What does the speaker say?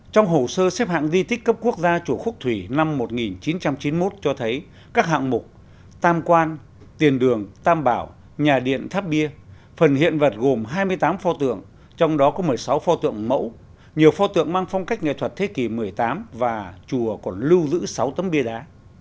trong hồ sơ xếp hạng di tích cấp quốc gia chùa khúc thủy năm một nghìn chín trăm chín mươi một cho thấy các hạng mục tam quan tiền đường tam bảo nhà điện tháp bia phần hiện vật gồm hai mươi tám pho tượng trong đó có một mươi sáu pho tượng mẫu nhiều pho tượng mang phong cách nghệ thuật thế kỷ một mươi tám và chùa còn lưu giữ sáu tấm bia đá